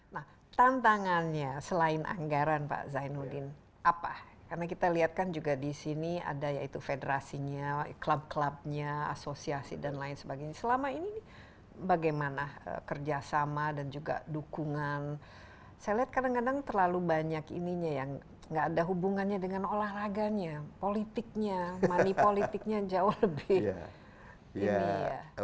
nah tantangannya selain anggaran pak zainuddin apa karena kita lihat kan juga disini ada yaitu federasinya klub klubnya asosiasi dan lain sebagainya selama ini bagaimana kerjasama dan juga dukungan saya lihat kadang kadang terlalu banyak ininya yang enggak ada hubungannya dengan olahraganya politiknya money politiknya jauh lagi